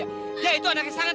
kamu mau keluar